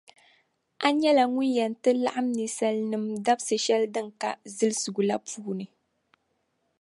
A nyɛla Ŋun yɛn ti laɣim ninsalinim’ dabsi’ shεli din ka zilsigu la puuni.